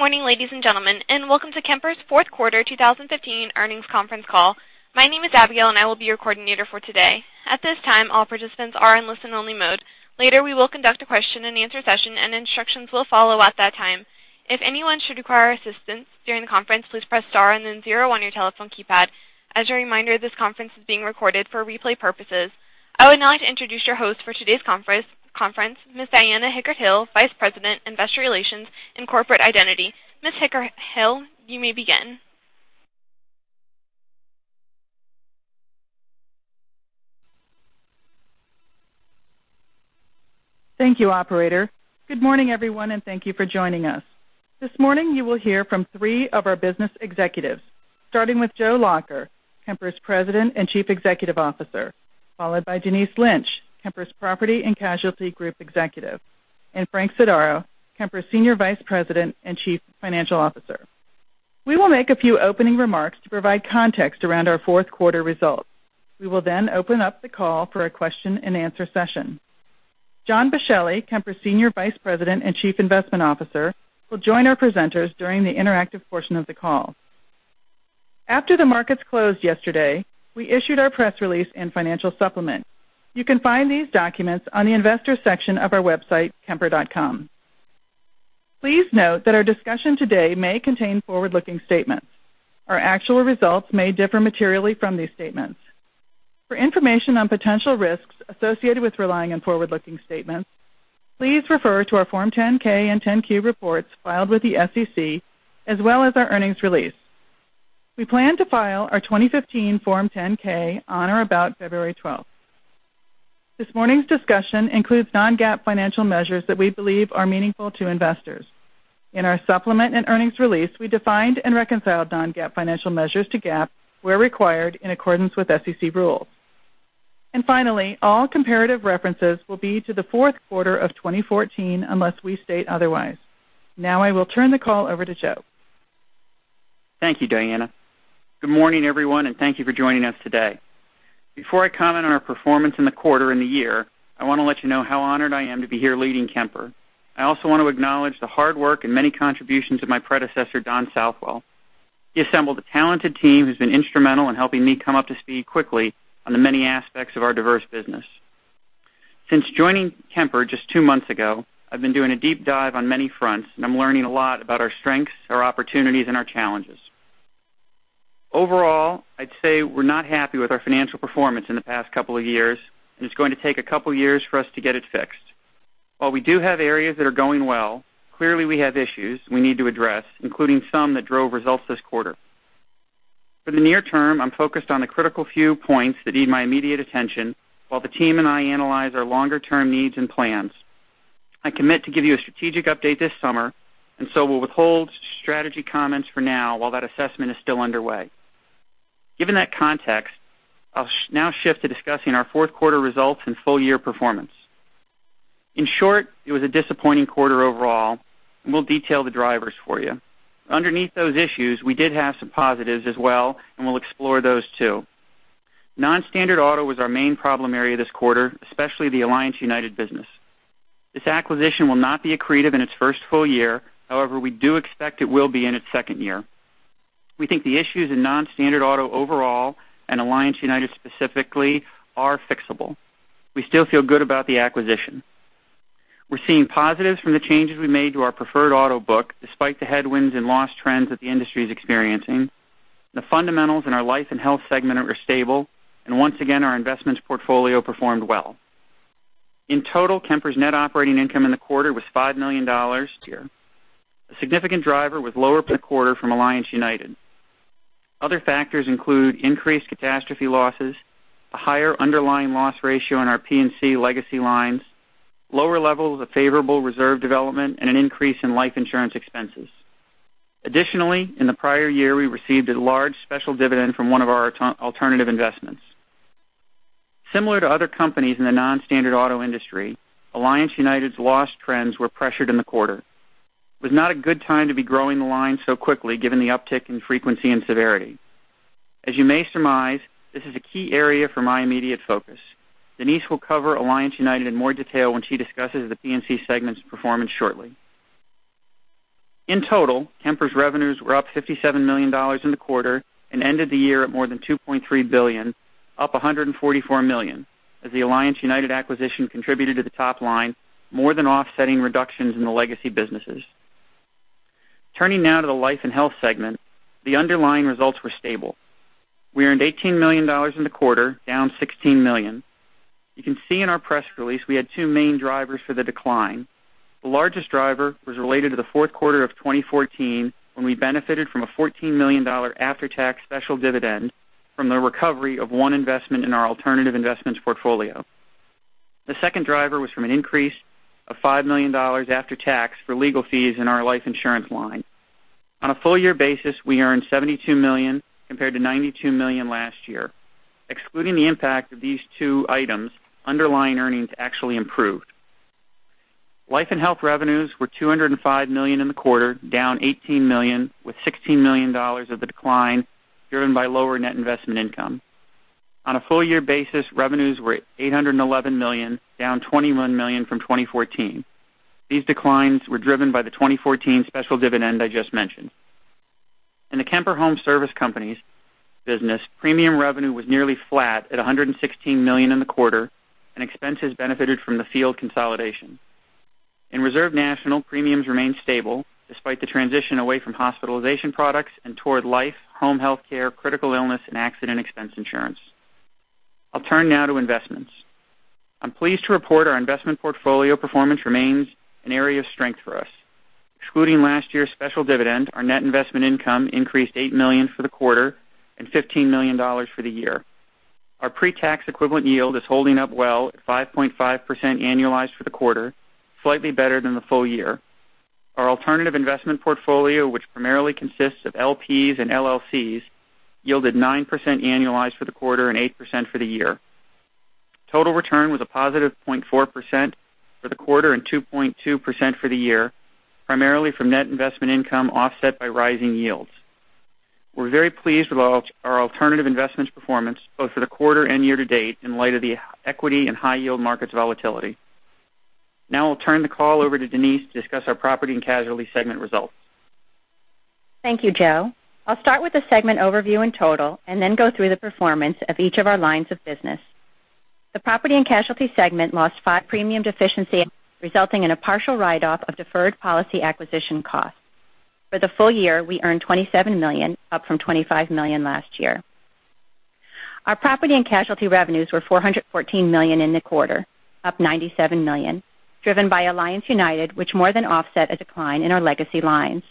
Good morning, ladies and gentlemen, and welcome to Kemper's fourth quarter 2015 earnings conference call. My name is Abigail, and I will be your coordinator for today. At this time, all participants are in listen-only mode. Later, we will conduct a question-and-answer session, and instructions will follow at that time. If anyone should require assistance during the conference, please press star and then zero on your telephone keypad. As a reminder, this conference is being recorded for replay purposes. I would now like to introduce your host for today's conference, Ms. Diana Hickert-Hill, Vice President, Investor Relations and Corporate Identity. Ms. Hickert-Hill, you may begin. Thank you, operator. Good morning, everyone, and thank you for joining us. This morning, you will hear from three of our business executives, starting with Joe Lacher, Kemper's President and Chief Executive Officer, followed by Denise Lynch, Kemper's Property and Casualty Group Executive, and Frank Sodaro, Kemper's Senior Vice President and Chief Financial Officer. We will make a few opening remarks to provide context around our fourth quarter results. We will then open up the call for a question-and-answer session. John Boschelli, Kemper's Senior Vice President and Chief Investment Officer, will join our presenters during the interactive portion of the call. After the markets closed yesterday, we issued our press release and financial supplement. You can find these documents on the investor section of our website, kemper.com. Please note that our discussion today may contain forward-looking statements. Our actual results may differ materially from these statements. For information on potential risks associated with relying on forward-looking statements, please refer to our Form 10-K and 10-Q reports filed with the SEC, as well as our earnings release. We plan to file our 2015 Form 10-K on or about February 12th. This morning's discussion includes non-GAAP financial measures that we believe are meaningful to investors. Finally, all comparative references will be to the fourth quarter of 2014 unless we state otherwise. Now I will turn the call over to Joe. Thank you, Diana. Good morning, everyone, and thank you for joining us today. Before I comment on our performance in the quarter and the year, I want to let you know how honored I am to be here leading Kemper. I also want to acknowledge the hard work and many contributions of my predecessor, Don Southwell. He assembled a talented team who's been instrumental in helping me come up to speed quickly on the many aspects of our diverse business. Since joining Kemper just 2 months ago, I've been doing a deep dive on many fronts, and I'm learning a lot about our strengths, our opportunities, and our challenges. Overall, I'd say we're not happy with our financial performance in the past couple of years. It's going to take a couple of years for us to get it fixed. While we do have areas that are going well, clearly we have issues we need to address, including some that drove results this quarter. For the near term, I'm focused on the critical few points that need my immediate attention while the team and I analyze our longer-term needs and plans. I commit to give you a strategic update this summer. We'll withhold strategy comments for now while that assessment is still underway. Given that context, I'll now shift to discussing our fourth quarter results and full-year performance. In short, it was a disappointing quarter overall. We'll detail the drivers for you. Underneath those issues, we did have some positives as well. We'll explore those too. Non-standard auto was our main problem area this quarter, especially the Alliance United business. This acquisition will not be accretive in its first full year. However, we do expect it will be in its second year. We think the issues in non-standard auto overall and Alliance United specifically are fixable. We still feel good about the acquisition. We're seeing positives from the changes we made to our preferred auto book despite the headwinds and loss trends that the industry is experiencing. The fundamentals in our life and health segment are stable. Once again, our investments portfolio performed well. In total, Kemper's net operating income in the quarter was $5 million here. A significant driver was lower per quarter from Alliance United. Other factors include increased catastrophe losses, a higher underlying loss ratio in our P&C legacy lines, lower levels of favorable reserve development, and an increase in life insurance expenses. Additionally, in the prior year, we received a large special dividend from one of our alternative investments. Similar to other companies in the non-standard auto industry, Alliance United's loss trends were pressured in the quarter. It was not a good time to be growing the line so quickly given the uptick in frequency and severity. As you may surmise, this is a key area for my immediate focus. Denise will cover Alliance United in more detail when she discusses the P&C segment's performance shortly. In total, Kemper's revenues were up $57 million in the quarter and ended the year at more than $2.3 billion, up $144 million as the Alliance United acquisition contributed to the top line more than offsetting reductions in the legacy businesses. Turning now to the life and health segment, the underlying results were stable. We earned $18 million in the quarter, down $16 million. You can see in our press release we had two main drivers for the decline. The largest driver was related to the fourth quarter of 2014 when we benefited from a $14 million after-tax special dividend from the recovery of one investment in our alternative investments portfolio. The second driver was from an increase of $5 million after tax for legal fees in our life insurance line. On a full-year basis, we earned $72 million compared to $92 million last year. Excluding the impact of these two items, underlying earnings actually improved. Life & Health revenues were $205 million in the quarter, down $18 million with $16 million of the decline driven by lower net investment income. On a full-year basis, revenues were $811 million, down $21 million from 2014. These declines were driven by the 2014 special dividend I just mentioned. In the Kemper Home Service Companies business, premium revenue was nearly flat at $116 million in the quarter, expenses benefited from the field consolidation. In Reserve National, premiums remained stable despite the transition away from hospitalization products and toward life, home health care, critical illness, and accident expense insurance. I'll turn now to investments. I'm pleased to report our investment portfolio performance remains an area of strength for us. Excluding last year's special dividend, our net investment income increased $8 million for the quarter and $15 million for the year. Our pretax equivalent yield is holding up well at 5.5% annualized for the quarter, slightly better than the full year. Our alternative investment portfolio, which primarily consists of LPs and LLCs, yielded 9% annualized for the quarter and 8% for the year. Total return was a positive 0.4% for the quarter and 2.2% for the year, primarily from net investment income offset by rising yields. We're very pleased with our alternative investments performance, both for the quarter and year to date, in light of the equity and high yield markets volatility. Now I'll turn the call over to Denise to discuss our property and casualty segment results. Thank you, Joe. I'll start with the segment overview in total and then go through the performance of each of our lines of business. The property and casualty segment lost five premium deficiency, resulting in a partial write-off of deferred policy acquisition costs. For the full year, we earned $27 million, up from $25 million last year. Our property and casualty revenues were $414 million in the quarter, up $97 million, driven by Alliance United, which more than offset a decline in our legacy lines.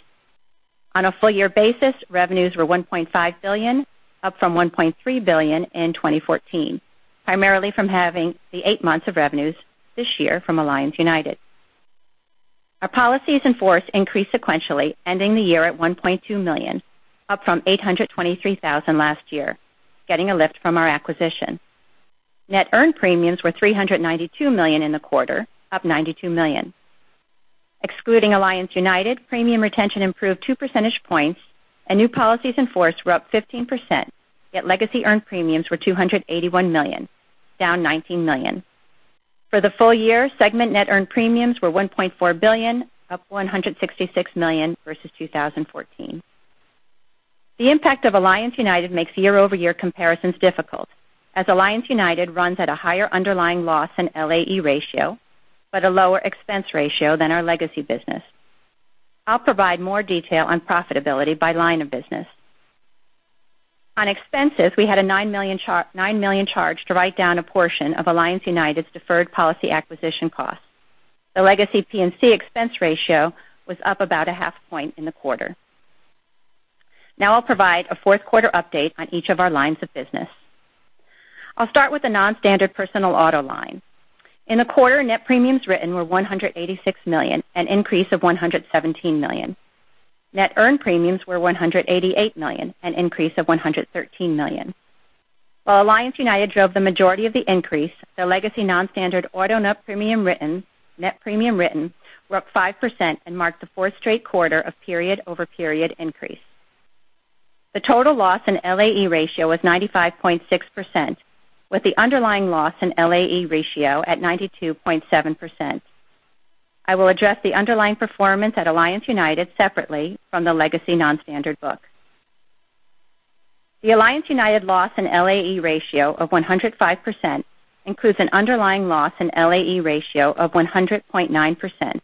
On a full year basis, revenues were $1.5 billion, up from $1.3 billion in 2014, primarily from having the eight months of revenues this year from Alliance United. Our policies in force increased sequentially, ending the year at 1.2 million, up from 823,000 last year, getting a lift from our acquisition. Net earned premiums were $392 million in the quarter, up $92 million. Excluding Alliance United, premium retention improved two percentage points and new policies in force were up 15%, yet legacy earned premiums were $281 million, down $19 million. For the full year, segment net earned premiums were $1.4 billion, up $166 million versus 2014. The impact of Alliance United makes year-over-year comparisons difficult, as Alliance United runs at a higher underlying loss in LAE ratio, but a lower expense ratio than our legacy business. I'll provide more detail on profitability by line of business. On expenses, we had a $9 million charge to write down a portion of Alliance United's deferred policy acquisition cost. The legacy P&C expense ratio was up about a half point in the quarter. Now I'll provide a fourth quarter update on each of our lines of business. I'll start with the non-standard personal auto line. In the quarter, net premiums written were $186 million, an increase of $117 million. Net earned premiums were $188 million, an increase of $113 million. While Alliance United drove the majority of the increase, the legacy non-standard auto net premium written were up 5% and marked the fourth straight quarter of period-over-period increase. The total loss in LAE ratio was 95.6%, with the underlying loss in LAE ratio at 92.7%. I will address the underlying performance at Alliance United separately from the legacy non-standard book. The Alliance United loss in LAE ratio of 105% includes an underlying loss in LAE ratio of 100.9%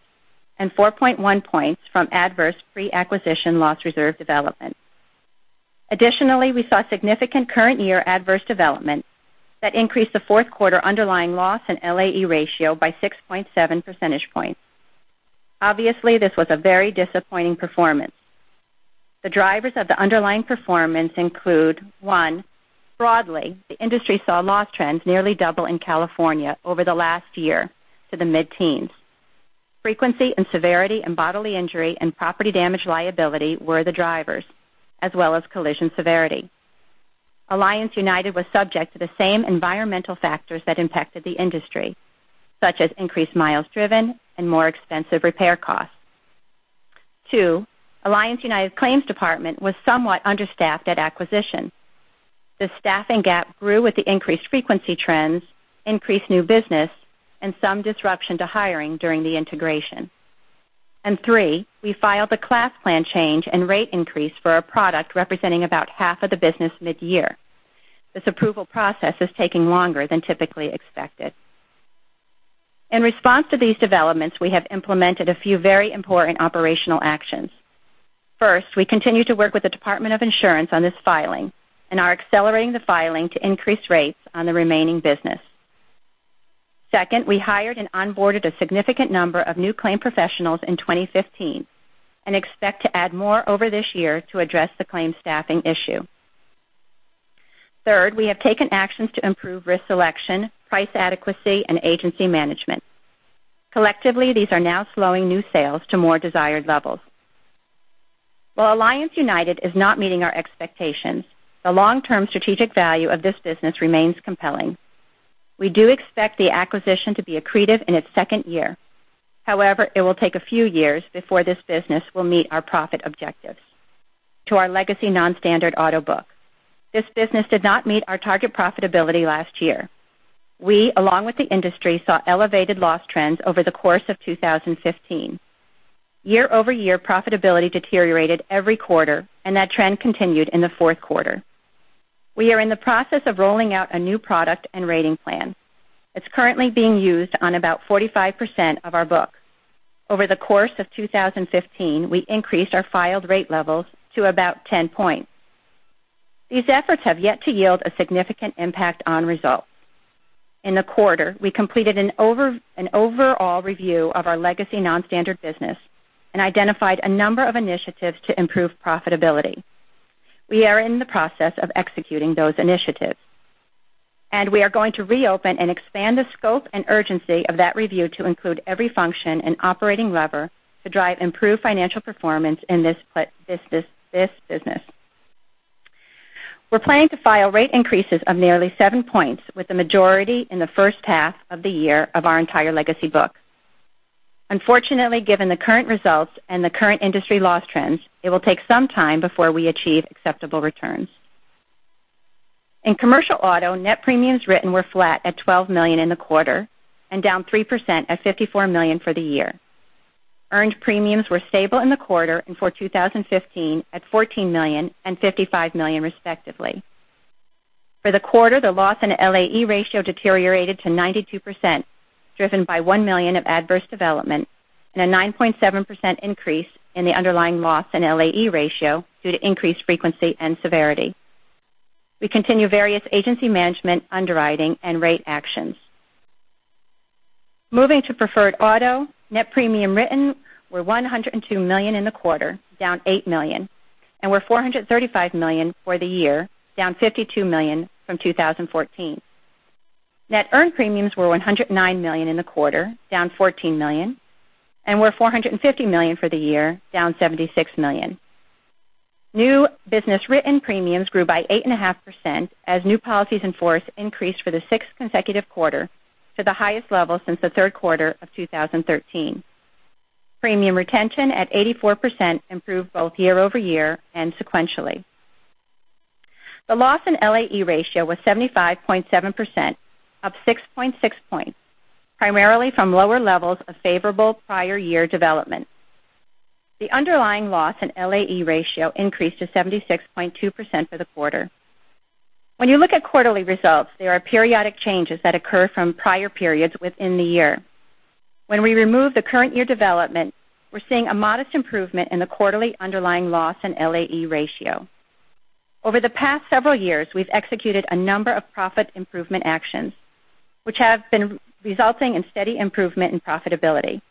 and 4.1 points from adverse pre-acquisition loss reserve development. Additionally, we saw significant current year adverse development that increased the fourth quarter underlying loss in LAE ratio by 6.7 percentage points. Obviously, this was a very disappointing performance. The drivers of the underlying performance include, one, broadly, the industry saw loss trends nearly double in California over the last year to the mid-teens. Frequency and severity in bodily injury and property damage liability were the drivers, as well as collision severity. Alliance United was subject to the same environmental factors that impacted the industry, such as increased miles driven and more expensive repair costs. Two, Alliance United's claims department was somewhat understaffed at acquisition. The staffing gap grew with the increased frequency trends, increased new business, and some disruption to hiring during the integration. Three, we filed a class plan change and rate increase for a product representing about half of the business mid-year. This approval process is taking longer than typically expected. In response to these developments, we have implemented a few very important operational actions. First, we continue to work with the Department of Insurance on this filing and are accelerating the filing to increase rates on the remaining business. Second, we hired and onboarded a significant number of new claim professionals in 2015 and expect to add more over this year to address the claim staffing issue. Third, we have taken actions to improve risk selection, price adequacy, and agency management. Collectively, these are now slowing new sales to more desired levels. While Alliance United is not meeting our expectations, the long-term strategic value of this business remains compelling. We do expect the acquisition to be accretive in its second year. It will take a few years before this business will meet our profit objectives. To our legacy non-standard auto book, this business did not meet our target profitability last year. We, along with the industry, saw elevated loss trends over the course of 2015. Year-over-year profitability deteriorated every quarter, and that trend continued in the fourth quarter. We are in the process of rolling out a new product and rating plan. It's currently being used on about 45% of our book. Over the course of 2015, we increased our filed rate levels to about 10 points. These efforts have yet to yield a significant impact on results. In the quarter, we completed an overall review of our legacy non-standard business and identified a number of initiatives to improve profitability. We are in the process of executing those initiatives, we are going to reopen and expand the scope and urgency of that review to include every function and operating lever to drive improved financial performance in this business. We're planning to file rate increases of nearly seven points with the majority in the first half of the year of our entire legacy book. Unfortunately, given the current results and the current industry loss trends, it will take some time before we achieve acceptable returns. In commercial auto, net premiums written were flat at $12 million in the quarter and down 3% at $54 million for the year. Earned premiums were stable in the quarter and for 2015 at $14 million and $55 million respectively. For the quarter, the loss and LAE ratio deteriorated to 92%, driven by $1 million of adverse development and a 9.7% increase in the underlying loss and LAE ratio due to increased frequency and severity. We continue various agency management, underwriting, and rate actions. Moving to preferred auto, net premium written were $102 million in the quarter, down $8 million, and were $435 million for the year, down $52 million from 2014. Net earned premiums were $109 million in the quarter, down $14 million, and were $450 million for the year, down $76 million. New business written premiums grew by 8.5% as new policies in force increased for the sixth consecutive quarter to the highest level since the third quarter of 2013. Premium retention at 84% improved both year-over-year and sequentially. The loss in LAE ratio was 75.7%, up 6.6 points, primarily from lower levels of favorable prior year development. The underlying loss in LAE ratio increased to 76.2% for the quarter. When you look at quarterly results, there are periodic changes that occur from prior periods within the year. When we remove the current year development, we're seeing a modest improvement in the quarterly underlying loss in LAE ratio. Over the past several years, we've executed a number of profit improvement actions which have been resulting in steady improvement in profitability.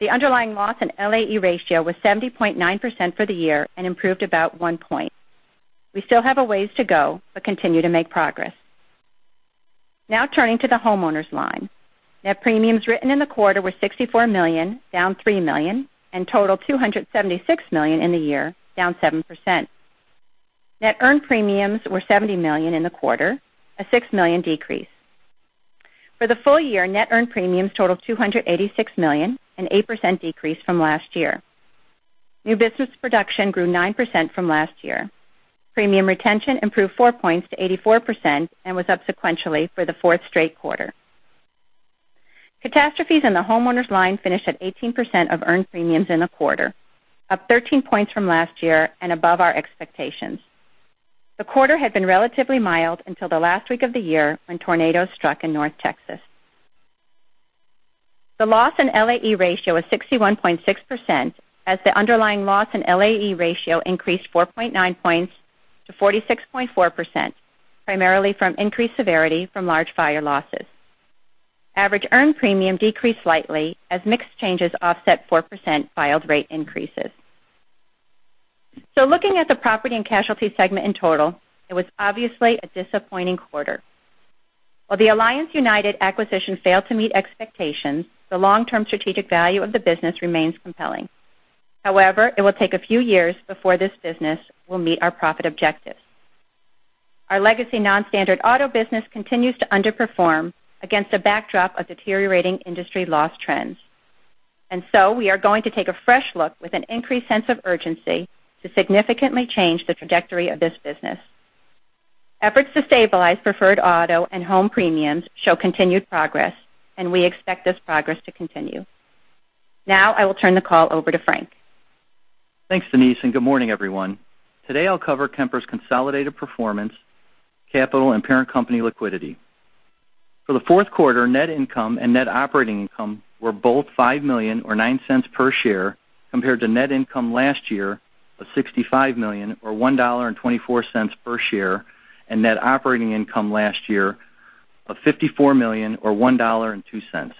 The underlying loss in LAE ratio was 70.9% for the year and improved about one point. We still have a ways to go, but continue to make progress. Turning to the homeowners line. Net premiums written in the quarter were $64 million, down $3 million, and total $276 million in the year, down 7%. Net earned premiums were $70 million in the quarter, a $6 million decrease. For the full year, net earned premiums totaled $286 million, an 8% decrease from last year. New business production grew 9% from last year. Premium retention improved four points to 84% and was up sequentially for the fourth straight quarter. Catastrophes in the homeowners line finished at 18% of earned premiums in the quarter, up 13 points from last year and above our expectations. The quarter had been relatively mild until the last week of the year when tornadoes struck in North Texas. The loss in LAE ratio was 61.6% as the underlying loss in LAE ratio increased 4.9 points to 46.4%, primarily from increased severity from large fire losses. Average earned premium decreased slightly as mix changes offset 4% filed rate increases. Looking at the Property and Casualty segment in total, it was obviously a disappointing quarter. While the Alliance United acquisition failed to meet expectations, the long-term strategic value of the business remains compelling. However, it will take a few years before this business will meet our profit objectives. Our legacy non-standard auto business continues to underperform against a backdrop of deteriorating industry loss trends. We are going to take a fresh look with an increased sense of urgency to significantly change the trajectory of this business. Efforts to stabilize preferred auto and home premiums show continued progress, and we expect this progress to continue. Now I will turn the call over to Frank. Thanks, Denise, and good morning, everyone. Today, I'll cover Kemper's consolidated performance, capital, and parent company liquidity. For the fourth quarter, net income and net operating income were both $5 million, or $0.09 per share, compared to net income last year of $65 million, or $1.24 per share, and net operating income last year of $54 million, or $1.02.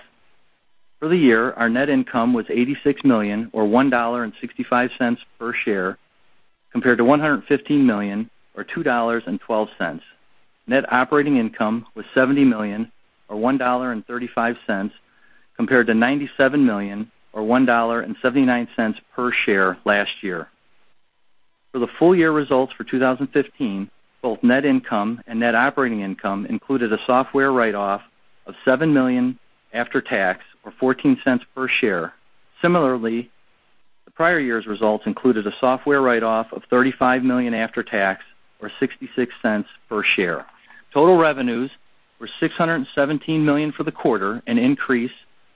For the year, our net income was $86 million or $1.65 per share, compared to $115 million or $2.12. Net operating income was $70 million or $1.35 compared to $97 million or $1.79 per share last year. For the full year results for 2015, both net income and net operating income included a software write-off of $7 million after tax, or $0.14 per share. Similarly, the prior year's results included a software write-off of $35 million after tax, or $0.66 per share. Total revenues were $617 million for the quarter, an increase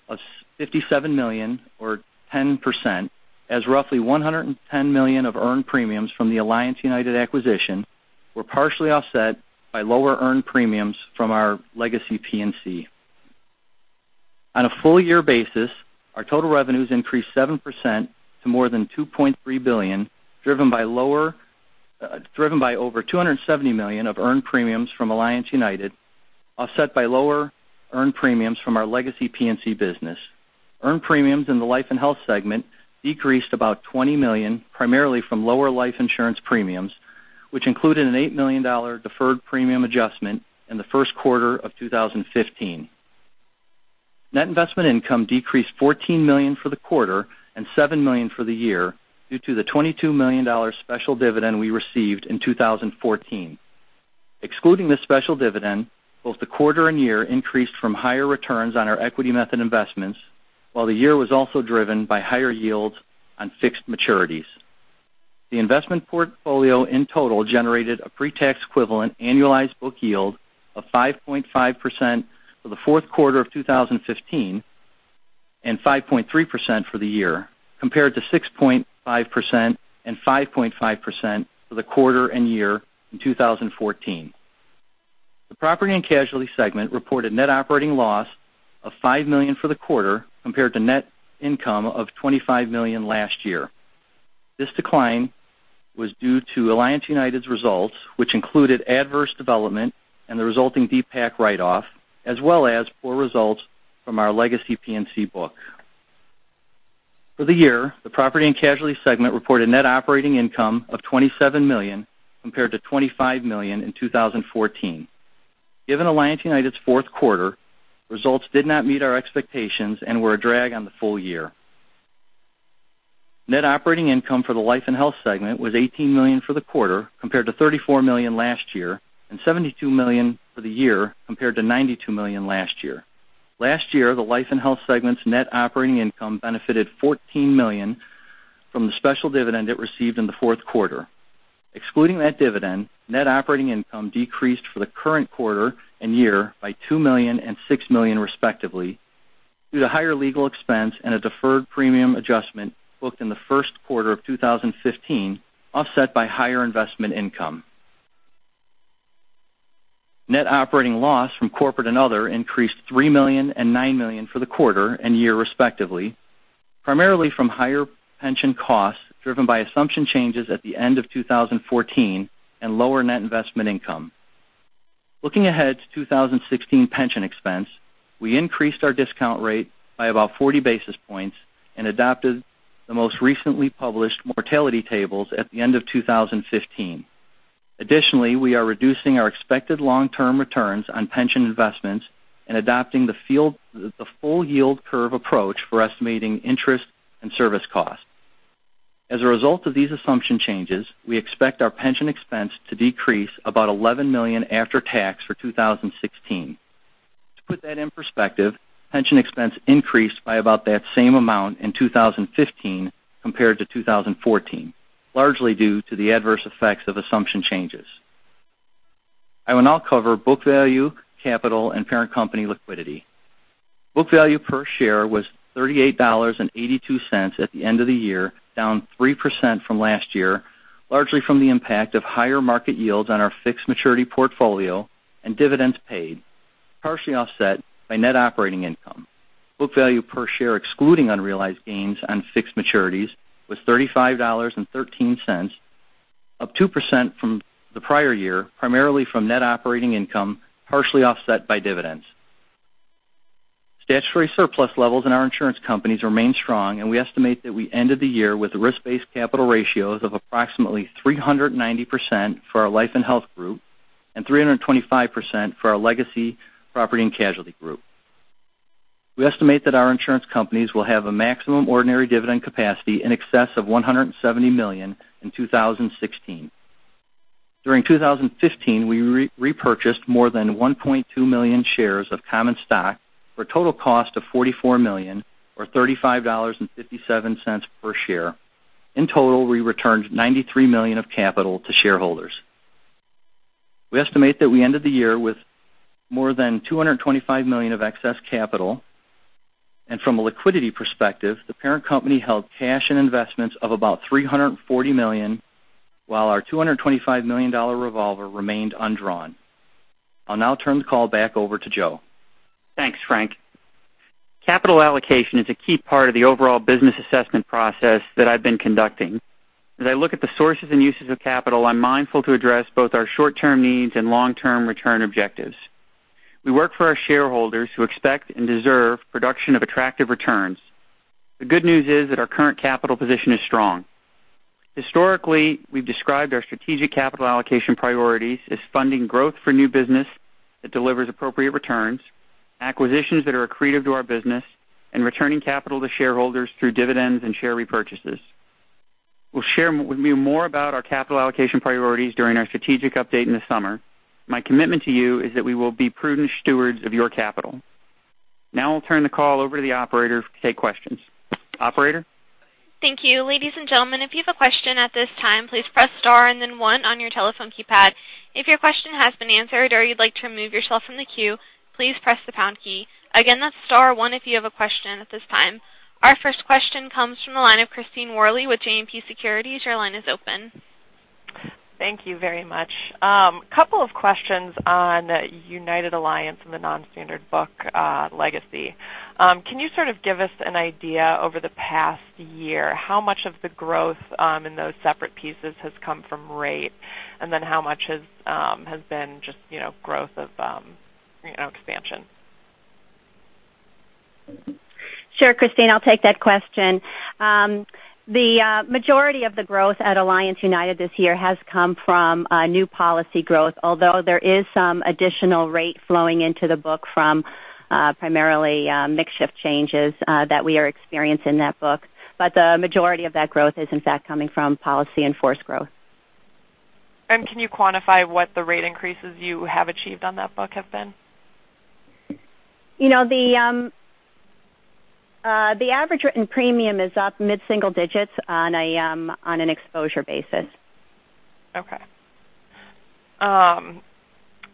of $57 million or 10%, as roughly $110 million of earned premiums from the Alliance United acquisition were partially offset by lower earned premiums from our legacy P&C. On a full year basis, our total revenues increased 7% to more than $2.3 billion, driven by over $270 million of earned premiums from Alliance United, offset by lower earned premiums from our legacy P&C business. Earned premiums in the life and health segment decreased about $20 million, primarily from lower life insurance premiums, which included an $8 million deferred premium adjustment in the first quarter of 2015. Net investment income decreased $14 million for the quarter and $7 million for the year due to the $22 million special dividend we received in 2014. Excluding the special dividend, both the quarter and year increased from higher returns on our equity method investments, while the year was also driven by higher yields on fixed maturities. The investment portfolio in total generated a pre-tax equivalent annualized book yield of 5.5% for the fourth quarter of 2015 and 5.3% for the year, compared to 6.5% and 5.5% for the quarter and year in 2014. The Property and Casualty segment reported net operating loss of $5 million for the quarter compared to net income of $25 million last year. This decline was due to Alliance United's results, which included adverse development and the resulting DPAC write-off, as well as poor results from our legacy P&C book. For the year, the Property and Casualty segment reported net operating income of $27 million, compared to $25 million in 2014. Given Alliance United's fourth quarter, results did not meet our expectations and were a drag on the full year. Net operating income for the life & health segment was $18 million for the quarter, compared to $34 million last year, and $72 million for the year, compared to $92 million last year. Last year, the life & health segment's net operating income benefited $14 million from the special dividend it received in the fourth quarter. Excluding that dividend, net operating income decreased for the current quarter and year by $2 million and $6 million respectively, due to higher legal expense and a deferred premium adjustment booked in the first quarter of 2015, offset by higher investment income. Net operating loss from corporate and other increased $3 million and $9 million for the quarter and year respectively, primarily from higher pension costs driven by assumption changes at the end of 2014 and lower net investment income. Looking ahead to 2016 pension expense, we increased our discount rate by about 40 basis points and adopted the most recently published mortality tables at the end of 2015. We are reducing our expected long-term returns on pension investments and adopting the full yield curve approach for estimating interest and service costs. As a result of these assumption changes, we expect our pension expense to decrease about $11 million after tax for 2016. To put that in perspective, pension expense increased by about that same amount in 2015 compared to 2014, largely due to the adverse effects of assumption changes. I will now cover book value, capital, and parent company liquidity. Book value per share was $38.82 at the end of the year, down 3% from last year, largely from the impact of higher market yields on our fixed maturity portfolio and dividends paid, partially offset by net operating income. Book value per share excluding unrealized gains on fixed maturities was $35.13, up 2% from the prior year, primarily from net operating income, partially offset by dividends. Statutory surplus levels in our insurance companies remain strong, and we estimate that we ended the year with risk-based capital ratios of approximately 390% for our life and health group and 325% for our legacy property and casualty group. We estimate that our insurance companies will have a maximum ordinary dividend capacity in excess of $170 million in 2016. During 2015, we repurchased more than 1.2 million shares of common stock for a total cost of $44 million or $35.57 per share. In total, we returned $93 million of capital to shareholders. We estimate that we ended the year with more than $225 million of excess capital. From a liquidity perspective, the parent company held cash and investments of about $340 million while our $225 million revolver remained undrawn. I'll now turn the call back over to Joe. Thanks, Frank. Capital allocation is a key part of the overall business assessment process that I've been conducting. As I look at the sources and uses of capital, I'm mindful to address both our short-term needs and long-term return objectives. We work for our shareholders who expect and deserve production of attractive returns. The good news is that our current capital position is strong. Historically, we've described our strategic capital allocation priorities as funding growth for new business that delivers appropriate returns, acquisitions that are accretive to our business, and returning capital to shareholders through dividends and share repurchases. We'll share with you more about our capital allocation priorities during our strategic update in the summer. My commitment to you is that we will be prudent stewards of your capital. I'll turn the call over to the operator to take questions. Operator? Thank you. Ladies and gentlemen, if you have a question at this time, please press star and then one on your telephone keypad. If your question has been answered or you'd like to remove yourself from the queue, please press the pound key. Again, that's star one if you have a question at this time. Our first question comes from the line of Christine Worley with JMP Securities. Your line is open. Thank you very much. Couple of questions on Alliance United and the non-standard book legacy. Can you sort of give us an idea over the past year, how much of the growth in those separate pieces has come from rate, how much has been just growth of expansion? Sure, Christine. I'll take that question. The majority of the growth at Alliance United this year has come from new policy growth, although there is some additional rate flowing into the book from primarily mix shift changes that we are experiencing in that book. The majority of that growth is in fact coming from policies in force growth. Can you quantify what the rate increases you have achieved on that book have been? The average written premium is up mid-single digits on an exposure basis. Okay.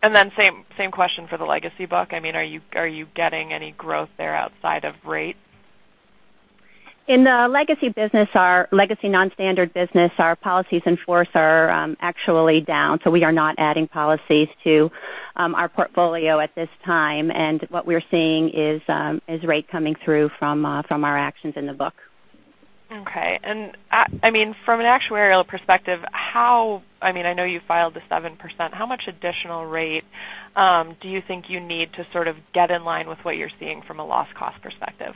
Then same question for the legacy book. Are you getting any growth there outside of rate? In the legacy non-standard business, our policies in force are actually down. We are not adding policies to our portfolio at this time. What we're seeing is rate coming through from our actions in the book. Okay. From an actuarial perspective, I know you filed the 7%, how much additional rate do you think you need to sort of get in line with what you're seeing from a loss cost perspective?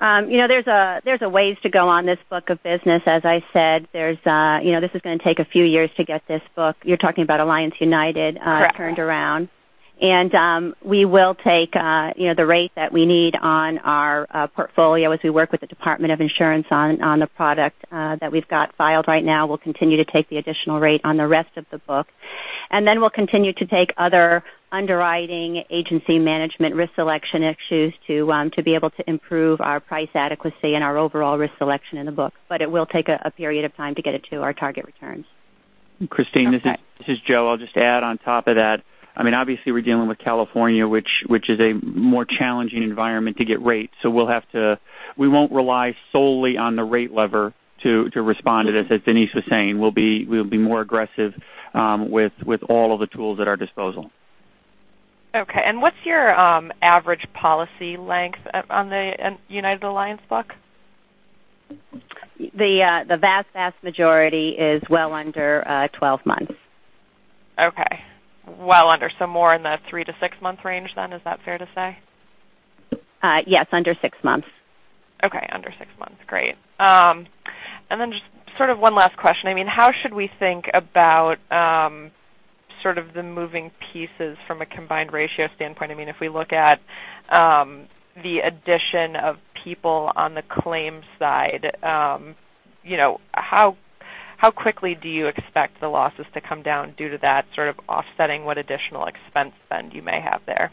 There's a ways to go on this book of business, as I said. This is going to take a few years to get this book, you're talking about Alliance United- Correct turned around. We will take the rate that we need on our portfolio as we work with the Department of Insurance on the product that we've got filed right now. We'll continue to take the additional rate on the rest of the book. We'll continue to take other underwriting agency management risk selection issues to be able to improve our price adequacy and our overall risk selection in the book. It will take a period of time to get it to our target returns. Okay. Christine, this is Joe. I'll just add on top of that. Obviously, we're dealing with California, which is a more challenging environment to get rates. We won't rely solely on the rate lever to respond to this, as Denise was saying. We'll be more aggressive with all of the tools at our disposal. Okay. What's your average policy length on the Alliance United book? The vast majority is well under 12 months. Okay. Well under, more in the three to six-month range then, is that fair to say? Yes, under six months. Okay, under six months. Great. Just sort of one last question. How should we think about sort of the moving pieces from a combined ratio standpoint? If we look at the addition of people on the claims side, how quickly do you expect the losses to come down due to that sort of offsetting what additional expense spend you may have there?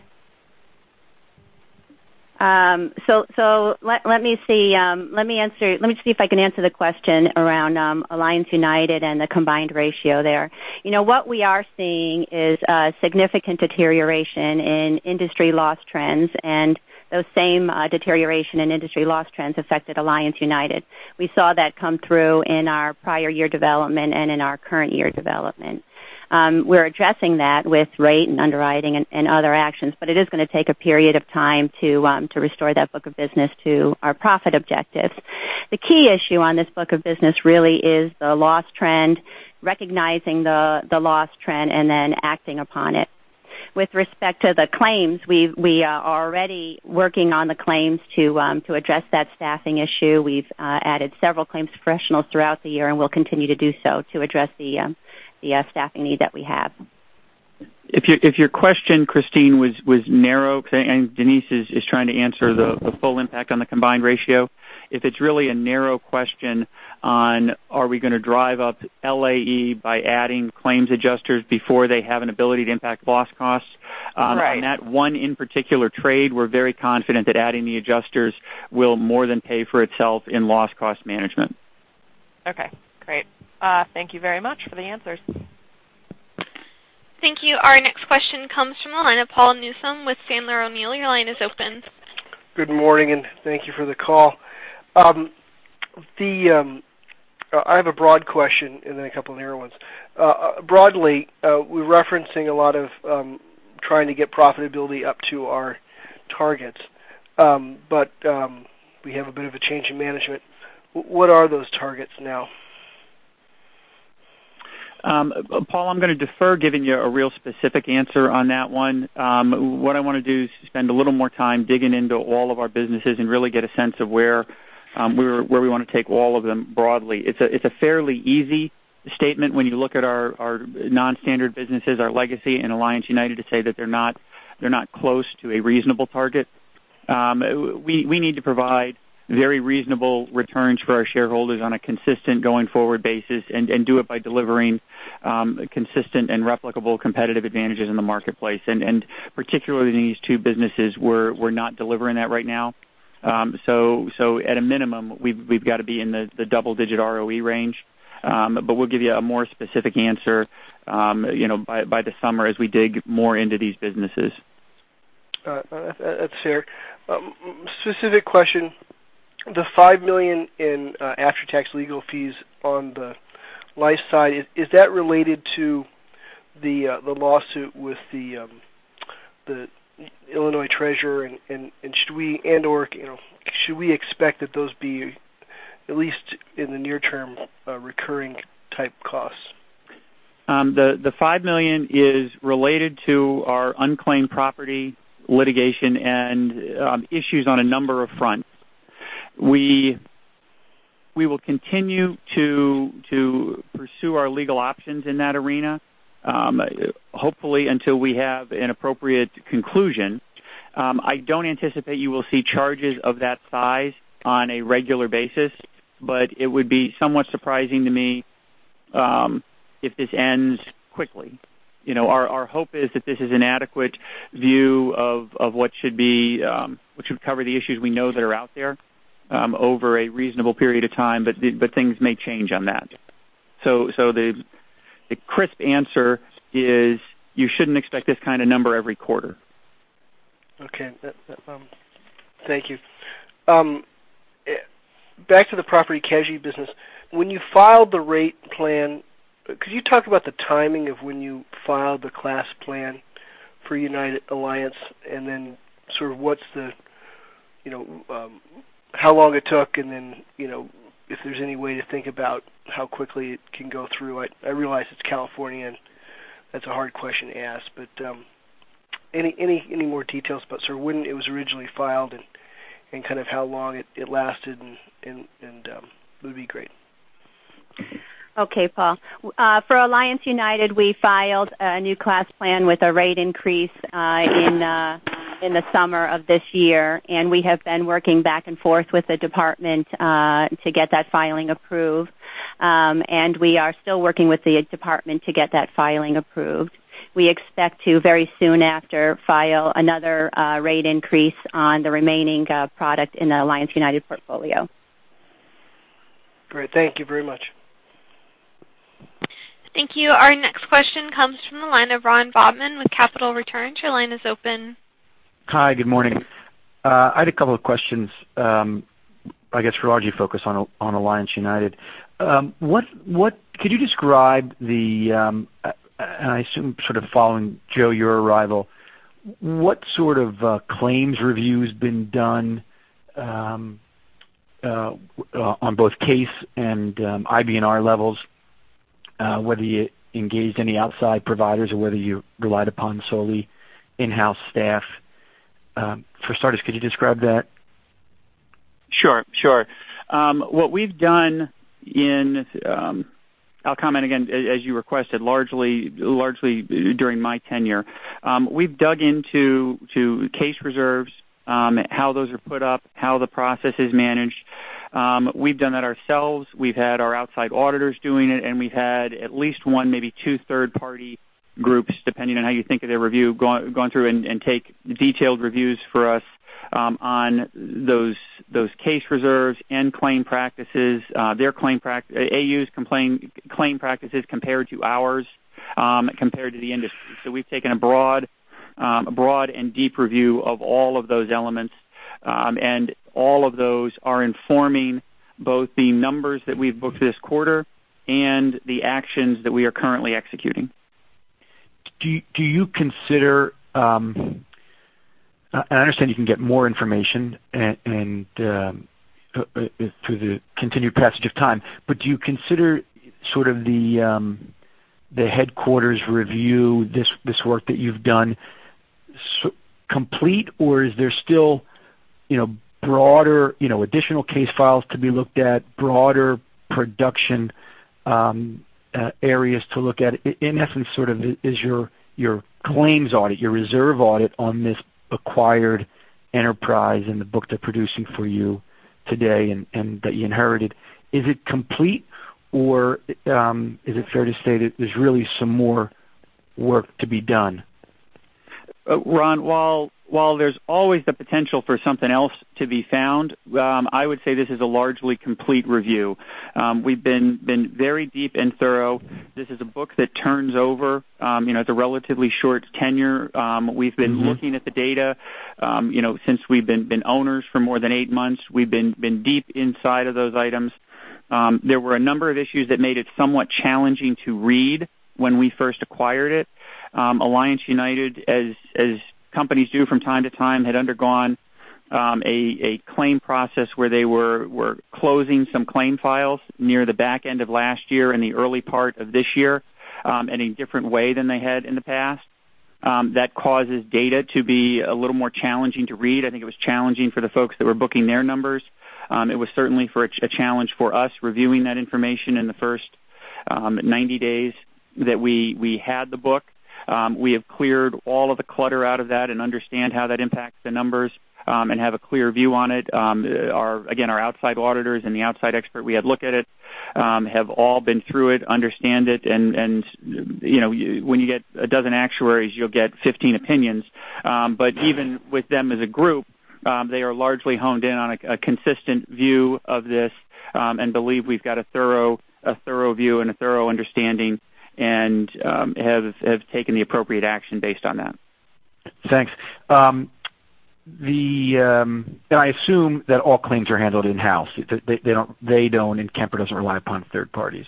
Let me see if I can answer the question around Alliance United and the combined ratio there. What we are seeing is a significant deterioration in industry loss trends, and those same deterioration in industry loss trends affected Alliance United. We saw that come through in our prior year development and in our current year development. We're addressing that with rate and underwriting and other actions, but it is going to take a period of time to restore that book of business to our profit objectives. The key issue on this book of business really is the loss trend, recognizing the loss trend, and then acting upon it. With respect to the claims, we are already working on the claims to address that staffing issue. We've added several claims professionals throughout the year, and we'll continue to do so to address the staffing need that we have. If your question, Christine, was narrow, because I think Denise is trying to answer the full impact on the combined ratio. If it's really a narrow question on are we going to drive up LAE by adding claims adjusters before they have an ability to impact loss costs- Right On that one in particular trade, we're very confident that adding the adjusters will more than pay for itself in loss cost management. Okay, great. Thank you very much for the answers. Thank you. Our next question comes from the line of Paul Newsome with Sandler O'Neill. Your line is open. Good morning. Thank you for the call. I have a broad question and then a couple of narrow ones. Broadly, we're referencing a lot of trying to get profitability up to our targets. We have a bit of a change in management. What are those targets now? Paul, I'm going to defer giving you a real specific answer on that one. What I want to do is spend a little more time digging into all of our businesses and really get a sense of where we want to take all of them broadly. It's a fairly easy statement when you look at our non-standard businesses, our Legacy and Alliance United, to say that they're not close to a reasonable target. We need to provide very reasonable returns for our shareholders on a consistent going-forward basis and do it by delivering consistent and replicable competitive advantages in the marketplace. Particularly in these two businesses, we're not delivering that right now. At a minimum, we've got to be in the double-digit ROE range. We'll give you a more specific answer by the summer as we dig more into these businesses. That's fair. Specific question, the $5 million in after-tax legal fees on the life side, is that related to the lawsuit with the Illinois treasurer? Should we expect that those be, at least in the near term, recurring type costs? The $5 million is related to our unclaimed property litigation and issues on a number of fronts. We will continue to pursue our legal options in that arena, hopefully until we have an appropriate conclusion. I don't anticipate you will see charges of that size on a regular basis, it would be somewhat surprising to me if this ends quickly. Our hope is that this is an adequate view of what should cover the issues we know that are out there over a reasonable period of time, things may change on that. The crisp answer is you shouldn't expect this kind of number every quarter. Okay. Thank you. Back to the property casualty business. When you filed the rate plan, could you talk about the timing of when you filed the class plan for Alliance, how long it took, if there's any way to think about how quickly it can go through? I realize it's California, that's a hard question to ask, any more details about when it was originally filed and how long it lasted would be great. Okay, Paul. For Alliance United, we filed a new class plan with a rate increase in the summer of this year, we have been working back and forth with the department to get that filing approved. We are still working with the department to get that filing approved. We expect to very soon after file another rate increase on the remaining product in the Alliance United portfolio. Great. Thank you very much. Thank you. Our next question comes from the line of Ron Bobman with Capital Returns. Your line is open. Hi, good morning. I had a couple of questions, I guess largely focused on Alliance United. Could you describe the, and I assume following, Joe, your arrival, what sort of claims review's been done on both case and IBNR levels, whether you engaged any outside providers or whether you relied upon solely in-house staff? For starters, could you describe that? Sure. What we've done in, I'll comment again as you requested, largely during my tenure. We've dug into case reserves, how those are put up, how the process is managed. We've done that ourselves. We've had our outside auditors doing it, and we've had at least one, maybe two third-party groups, depending on how you think of their review, gone through and take detailed reviews for us on those case reserves and claim practices, AU's claim practices compared to ours, compared to the industry. We've taken a broad and deep review of all of those elements, and all of those are informing both the numbers that we've booked this quarter and the actions that we are currently executing. Do you consider, I understand you can get more information through the continued passage of time, do you consider the headquarters review, this work that you've done, complete or is there still broader additional case files to be looked at, broader production areas to look at? In essence, is your claims audit, your reserve audit on this acquired enterprise and the book they're producing for you today and that you inherited, is it complete or is it fair to say that there's really some more work to be done? Ron, while there's always the potential for something else to be found, I would say this is a largely complete review. We've been very deep and thorough. This is a book that turns over. It's a relatively short tenure. We've been looking at the data since we've been owners for more than eight months. We've been deep inside of those items. There were a number of issues that made it somewhat challenging to read when we first acquired it. Alliance United, as companies do from time to time, had undergone a claim process where they were closing some claim files near the back end of last year and the early part of this year, and in a different way than they had in the past. That causes data to be a little more challenging to read. I think it was challenging for the folks that were booking their numbers. It was certainly a challenge for us reviewing that information in the first 90 days that we had the book. We have cleared all of the clutter out of that and understand how that impacts the numbers and have a clear view on it. Again, our outside auditors and the outside expert we had look at it, have all been through it, understand it, and when you get 12 actuaries, you'll get 15 opinions. Even with them as a group, they are largely honed in on a consistent view of this, and believe we've got a thorough view and a thorough understanding, and have taken the appropriate action based on that. Thanks. I assume that all claims are handled in-house, that they don't and Kemper doesn't rely upon third parties.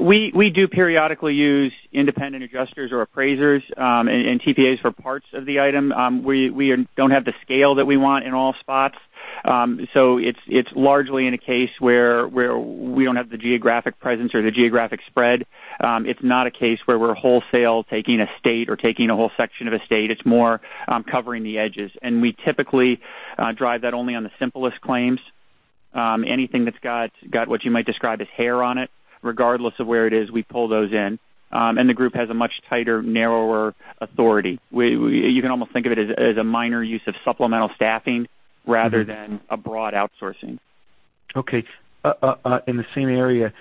We do periodically use independent adjusters or appraisers, TPAs for parts of the item. We don't have the scale that we want in all spots. It's largely in a case where we don't have the geographic presence or the geographic spread. It's not a case where we're wholesale taking a state or taking a whole section of a state. It's more covering the edges. We typically drive that only on the simplest claims. Anything that's got what you might describe as hair on it, regardless of where it is, we pull those in. The group has a much tighter, narrower authority. You can almost think of it as a minor use of supplemental staffing rather than a broad outsourcing. Okay. In the same area,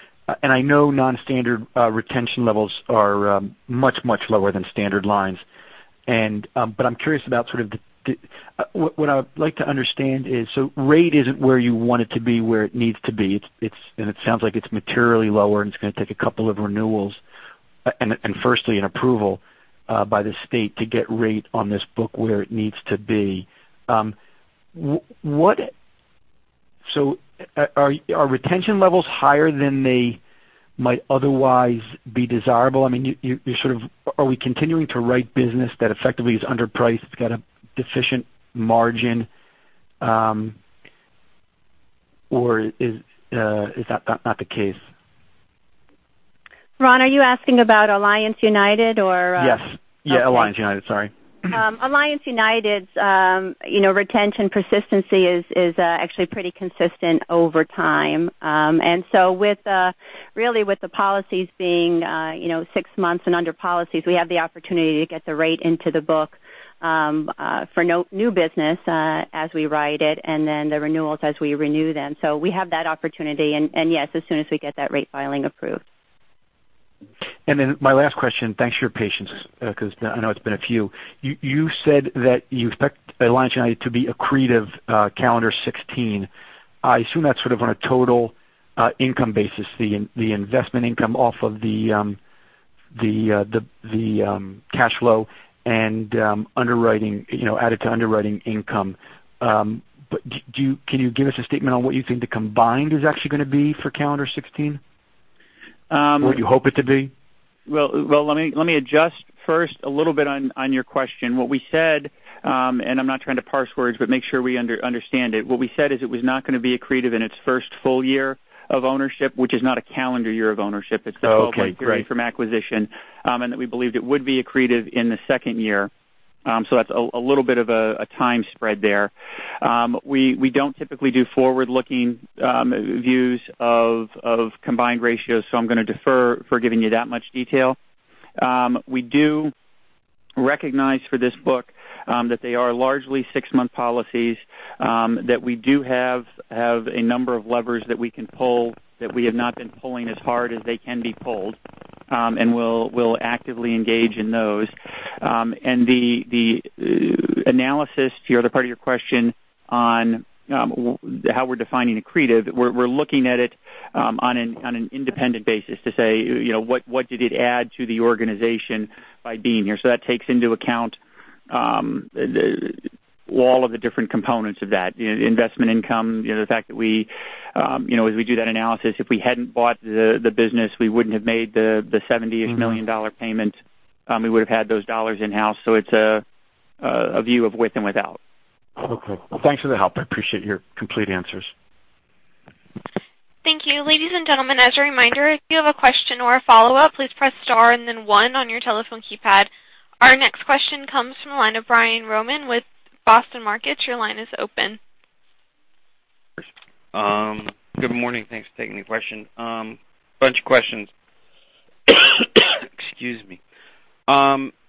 I know non-standard retention levels are much, much lower than standard lines. I am curious about sort of what I would like to understand is, rate isn't where you want it to be, where it needs to be. It sounds like it's materially lower, it's going to take a couple of renewals, firstly, an approval by the state to get rate on this book where it needs to be. Are retention levels higher than they might otherwise be desirable? I mean, are we continuing to write business that effectively is underpriced? It's got a deficient margin. Is that not the case? Ron, are you asking about Alliance United? Yes. Yeah. Alliance United, sorry. Alliance United's retention persistency is actually pretty consistent over time. Really with the policies being six months and under policies, we have the opportunity to get the rate into the book for new business as we write it, then the renewals as we renew them. We have that opportunity. Yes, as soon as we get that rate filing approved. My last question. Thanks for your patience, because I know it's been a few. You said that you expect Alliance United to be accretive calendar 2016. I assume that's sort of on a total income basis, the investment income off of the cash flow and added to underwriting income. Can you give us a statement on what you think the combined is actually going to be for calendar 2016? Or what you hope it to be? Well, let me adjust first a little bit on your question. What we said, I'm not trying to parse words, make sure we understand it. What we said is it was not going to be accretive in its first full year of ownership, which is not a calendar year of ownership. Okay, great. It's the 12-month period from acquisition, that we believed it would be accretive in the second year. That's a little bit of a time spread there. We don't typically do forward-looking views of combined ratios, I'm going to defer for giving you that much detail. We do recognize for this book that they are largely six-month policies, that we do have a number of levers that we can pull, that we have not been pulling as hard as they can be pulled. We'll actively engage in those. The analysis to the other part of your question on how we're defining accretive, we're looking at it on an independent basis to say, what did it add to the organization by being here? That takes into account all of the different components of that. Investment income, the fact that as we do that analysis, if we hadn't bought the business, we wouldn't have made the $71 million payment. We would have had those dollars in-house. It's a view of with and without. Okay. Thanks for the help. I appreciate your complete answers. Thank you. Ladies and gentlemen, as a reminder, if you have a question or a follow-up, please press star and then one on your telephone keypad. Our next question comes from the line of Brian Roman with Boston Partners. Your line is open. Good morning. Thanks for taking the question. Bunch of questions. Excuse me.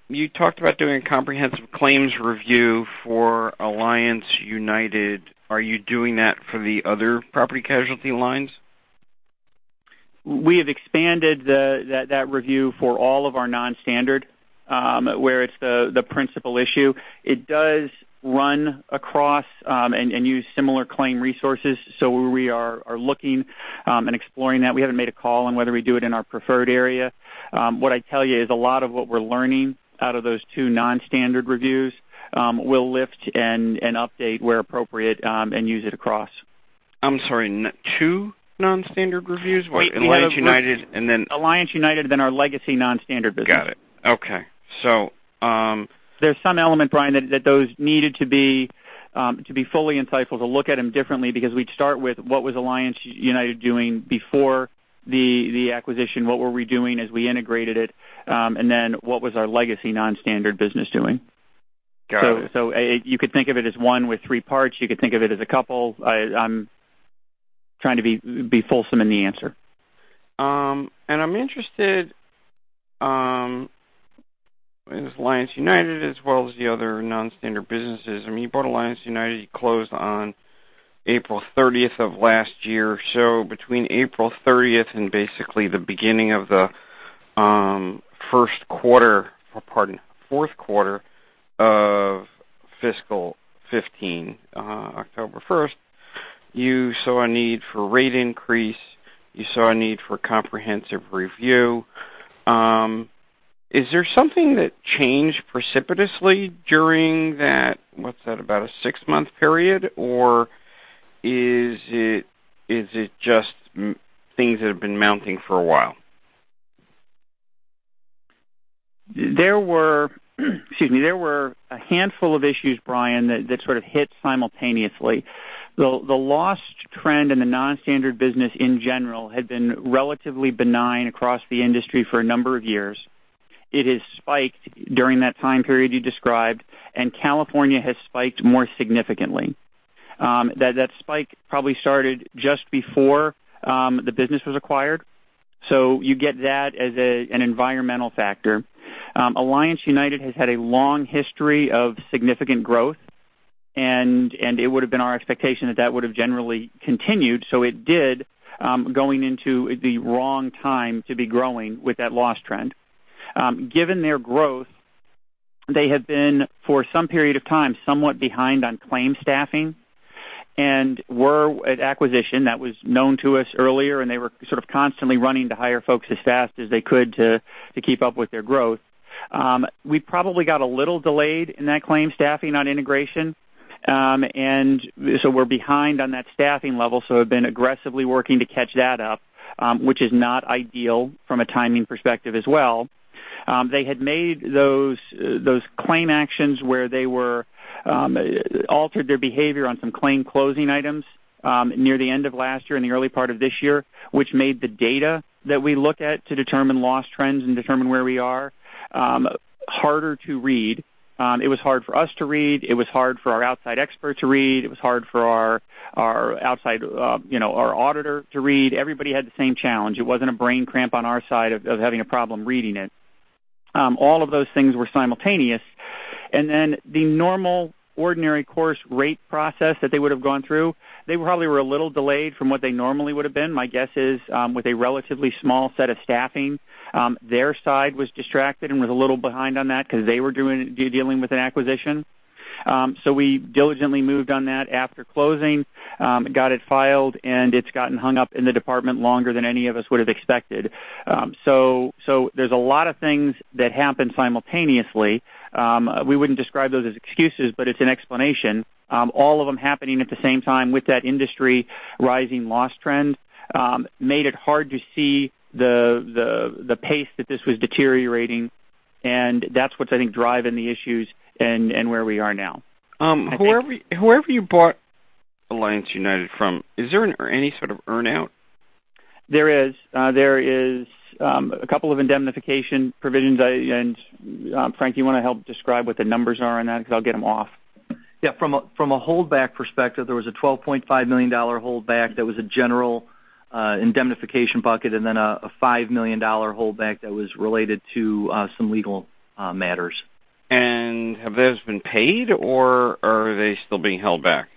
You talked about doing a comprehensive claims review for Alliance United. Are you doing that for the other property casualty lines? We have expanded that review for all of our non-standard, where it's the principal issue. It does run across, and use similar claim resources. We are looking and exploring that. We haven't made a call on whether we do it in our preferred area. What I'd tell you is a lot of what we're learning out of those two non-standard reviews will lift and update where appropriate and use it across. I'm sorry, two non-standard reviews? What, Alliance United? Alliance United, our legacy non-standard business. Got it. Okay. There's some element, Brian, that those needed to be fully insightful to look at them differently because we'd start with what was Alliance United doing before the acquisition, what were we doing as we integrated it, and then what was our legacy non-standard business doing? Got it. You could think of it as one with three parts. You could think of it as a couple. I'm trying to be fulsome in the answer. I'm interested in Alliance United as well as the other non-standard businesses. You bought Alliance United, you closed on April 30th of last year. Between April 30th and basically the beginning of the fourth quarter of fiscal 2015, October 1st, you saw a need for rate increase. You saw a need for comprehensive review. Is there something that changed precipitously during that, what's that, about a six-month period? Is it just things that have been mounting for a while? There were a handful of issues, Brian, that sort of hit simultaneously. The loss trend in the non-standard business in general had been relatively benign across the industry for a number of years. It has spiked during that time period you described, and California has spiked more significantly. That spike probably started just before the business was acquired, you get that as an environmental factor. Alliance United has had a long history of significant growth, and it would have been our expectation that that would have generally continued, it did, going into the wrong time to be growing with that loss trend. Given their growth, they had been, for some period of time, somewhat behind on claim staffing and were at acquisition. That was known to us earlier, they were sort of constantly running to hire folks as fast as they could to keep up with their growth. We probably got a little delayed in that claim staffing on integration. We're behind on that staffing level, so have been aggressively working to catch that up, which is not ideal from a timing perspective as well. They had made those claim actions where they altered their behavior on some claim closing items near the end of last year and the early part of this year, which made the data that we look at to determine loss trends and determine where we are, harder to read. It was hard for us to read. It was hard for our outside expert to read. It was hard for our auditor to read. Everybody had the same challenge. It wasn't a brain cramp on our side of having a problem reading it. All of those things were simultaneous. The normal ordinary course rate process that they would have gone through, they probably were a little delayed from what they normally would have been. My guess is, with a relatively small set of staffing, their side was distracted and was a little behind on that because they were dealing with an acquisition. We diligently moved on that after closing, got it filed, and it's gotten hung up in the department longer than any of us would have expected. There's a lot of things that happened simultaneously. We wouldn't describe those as excuses, but it's an explanation. All of them happening at the same time with that industry rising loss trend made it hard to see the pace that this was deteriorating, and that's what's, I think, driving the issues and where we are now. Whoever you bought Alliance United from, is there any sort of earn-out? There is a couple of indemnification provisions. Frank, you want to help describe what the numbers are on that? Because I'll get them off. Yeah. From a holdback perspective, there was a $12.5 million holdback that was a general indemnification bucket and then a $5 million holdback that was related to some legal matters. Have those been paid or are they still being held back?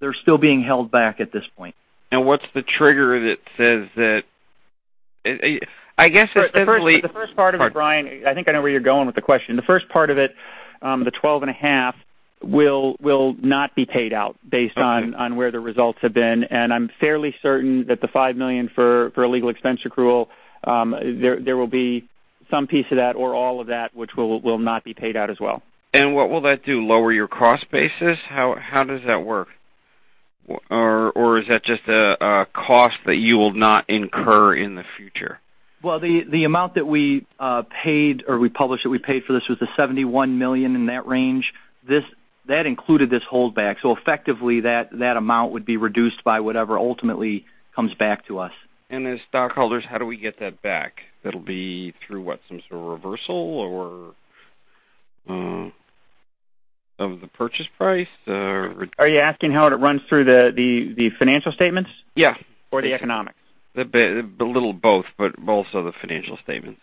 They're still being held back at this point. What's the trigger that says that? The first part of it, Brian, I think I know where you're going with the question. The first part of it, the 12 and a half, will not be paid out. Okay On where the results have been. I'm fairly certain that the $5 million for legal expense accrual, there will be some piece of that or all of that which will not be paid out as well. What will that do? Lower your cost basis? How does that work? Is that just a cost that you will not incur in the future? Well, the amount that we paid, or we published that we paid for this was the $71 million in that range. That included this holdback, so effectively that amount would be reduced by whatever ultimately comes back to us. As stockholders, how do we get that back? That'll be through what, some sort of reversal or of the purchase price or? Are you asking how it runs through the financial statements? Yeah. The economics? A little of both, but also the financial statements.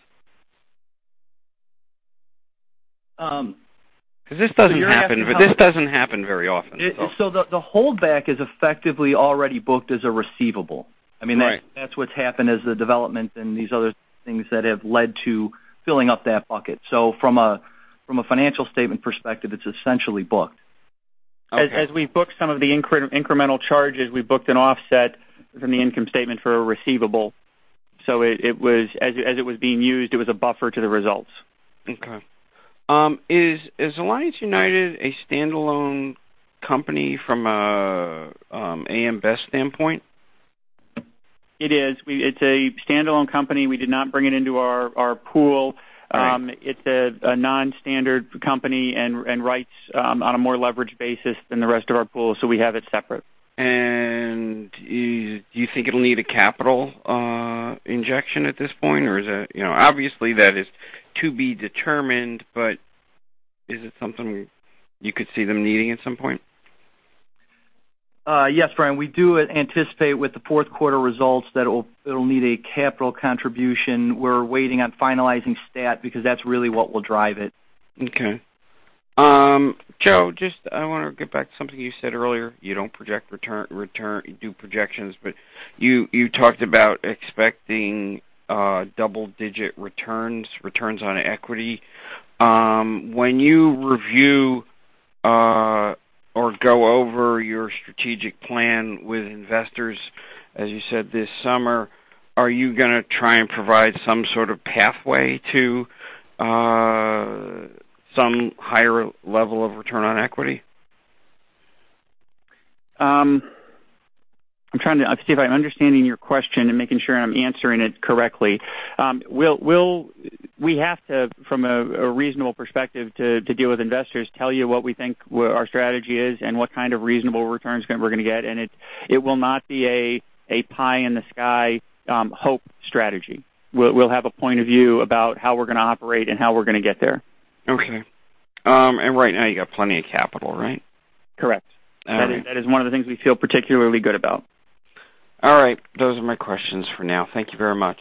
This doesn't happen very often. The holdback is effectively already booked as a receivable. Right. I mean, that's what's happened as the development and these other things that have led to filling up that bucket. From a financial statement perspective, it's essentially booked. Okay. As we book some of the incremental charges, we booked an offset from the income statement for a receivable. As it was being used, it was a buffer to the results. Okay. Is Alliance United a standalone company from an AM Best standpoint? It is. It's a standalone company. We did not bring it into our pool. Right. It's a non-standard company and writes on a more leveraged basis than the rest of our pool, so we have it separate. Do you think it'll need a capital injection at this point? Obviously, that is to be determined, but is it something you could see them needing at some point? Yes, Brian, we do anticipate with the fourth quarter results that it'll need a capital contribution. We're waiting on finalizing stat, because that's really what will drive it. Okay. Joe, I just want to get back to something you said earlier. You don't do projections, but you talked about expecting double-digit returns on equity. When you review or go over your strategic plan with investors, as you said this summer, are you going to try and provide some sort of pathway to some higher level of return on equity? I'm trying to see if I'm understanding your question and making sure I'm answering it correctly. We have to, from a reasonable perspective to deal with investors, tell you what we think our strategy is and what kind of reasonable returns we're going to get, and it will not be a pie in the sky hope strategy. We'll have a point of view about how we're going to operate and how we're going to get there. Okay. Right now you got plenty of capital, right? Correct. All right. That is one of the things we feel particularly good about. All right. Those are my questions for now. Thank you very much.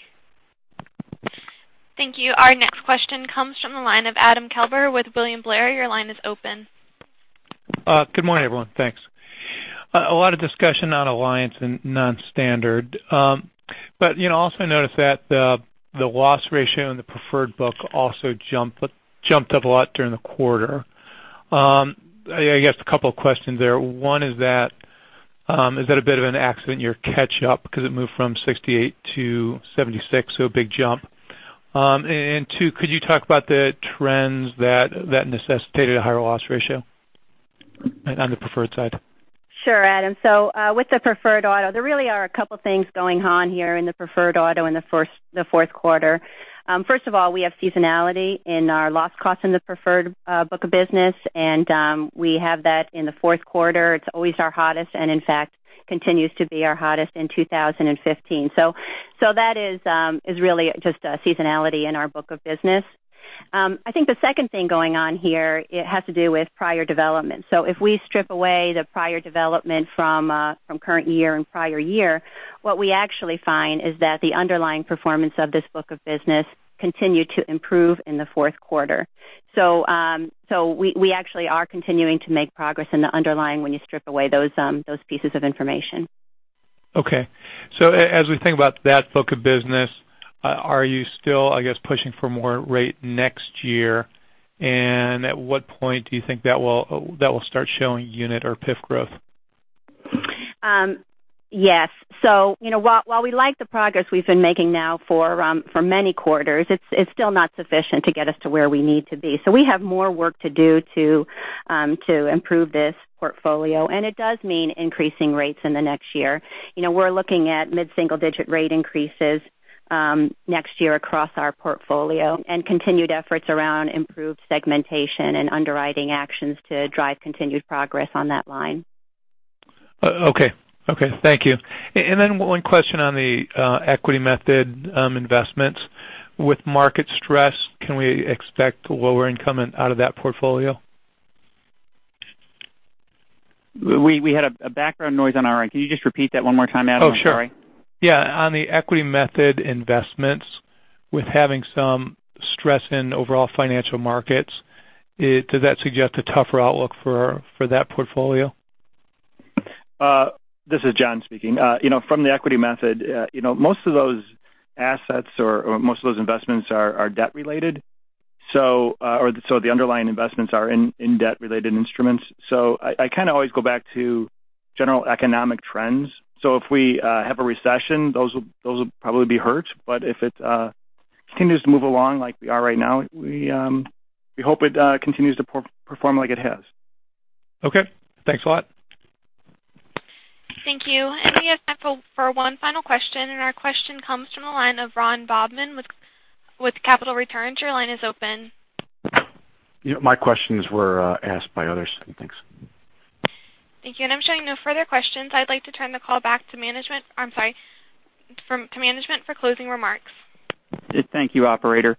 Thank you. Our next question comes from the line of Adam Klauber with William Blair. Your line is open. Good morning, everyone. Thanks. A lot of discussion on Alliance and non-standard. Also noticed that the loss ratio in the preferred book also jumped up a lot during the quarter. I guess a couple of questions there. One is that, is that a bit of an accident year catch up because it moved from 68 to 76, so a big jump. Two, could you talk about the trends that necessitated a higher loss ratio on the preferred side? Sure, Adam. With the preferred auto, there really are a couple things going on here in the preferred auto in the fourth quarter. First of all, we have seasonality in our loss cost in the preferred book of business, and we have that in the fourth quarter. It's always our hottest, and in fact, continues to be our hottest in 2015. That is really just a seasonality in our book of business. I think the second thing going on here, it has to do with prior development. If we strip away the prior development from current year and prior year, what we actually find is that the underlying performance of this book of business continued to improve in the fourth quarter. We actually are continuing to make progress in the underlying when you strip away those pieces of information. Okay. As we think about that book of business, are you still, I guess, pushing for more rate next year? At what point do you think that will start showing unit or PIF growth? Yes. While we like the progress we've been making now for many quarters, it's still not sufficient to get us to where we need to be. We have more work to do to improve this portfolio, and it does mean increasing rates in the next year. We're looking at mid-single-digit rate increases next year across our portfolio, and continued efforts around improved segmentation and underwriting actions to drive continued progress on that line. Okay. Thank you. One question on the equity method investments. With market stress, can we expect lower income out of that portfolio? We had a background noise on our end. Can you just repeat that one more time, Adam? I'm sorry. Oh, sure. Yeah, on the equity method investments, with having some stress in overall financial markets, does that suggest a tougher outlook for that portfolio? This is John speaking. From the equity method, most of those assets or most of those investments are debt related. The underlying investments are in debt-related instruments. I kind of always go back to general economic trends. If we have a recession, those will probably be hurt, but if it continues to move along like we are right now, we hope it continues to perform like it has. Okay. Thanks a lot. Thank you. We have time for one final question, our question comes from the line of Ron Bobman with Capital Returns. Your line is open. My questions were asked by others. Thanks. Thank you. I'm showing no further questions. I'd like to turn the call back to management for closing remarks. Thank you, operator.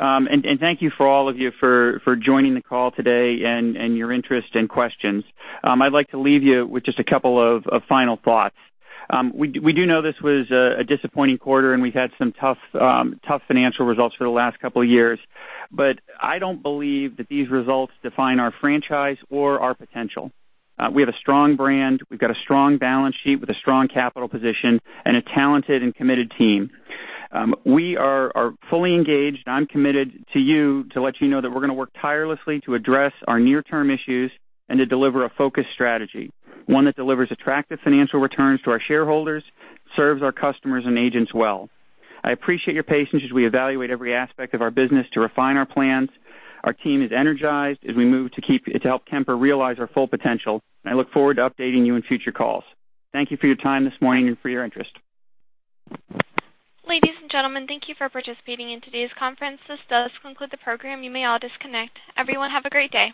Thank you for all of you for joining the call today and your interest and questions. I'd like to leave you with just a couple of final thoughts. We do know this was a disappointing quarter, and we've had some tough financial results for the last couple of years. I don't believe that these results define our franchise or our potential. We have a strong brand. We've got a strong balance sheet with a strong capital position and a talented and committed team. We are fully engaged, and I'm committed to you to let you know that we're going to work tirelessly to address our near-term issues and to deliver a focused strategy, one that delivers attractive financial returns to our shareholders, serves our customers and agents well. I appreciate your patience as we evaluate every aspect of our business to refine our plans. Our team is energized as we move to help Kemper realize our full potential. I look forward to updating you in future calls. Thank you for your time this morning and for your interest. Ladies and gentlemen, thank you for participating in today's conference. This does conclude the program. You may all disconnect. Everyone, have a great day.